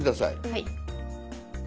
はい。